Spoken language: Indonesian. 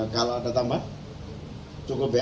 kalau ada tambah cukup ya